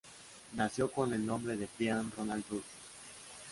Nació con el nombre de Brian Ronald Bruce.